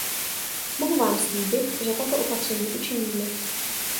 Mohu vám slíbit, že tato opatření učiníme.